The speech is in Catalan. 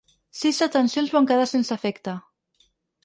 Sis detencions van quedar sense efecte.